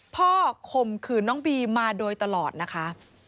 ข่มขืนน้องบีมาโดยตลอดนะคะ